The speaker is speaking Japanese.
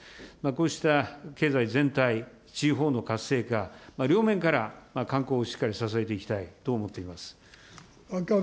こうした経済全体、地方の活性化、両面から観光をしっかり支えていきたいと思っています。